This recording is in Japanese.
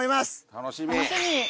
楽しみ。